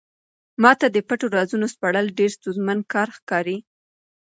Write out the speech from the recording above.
ما ته د پټو رازونو سپړل ډېر ستونزمن کار ښکاري.